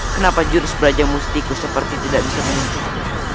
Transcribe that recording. kenapa jurus pelajar mustiku seperti tidak bisa menyentuhnya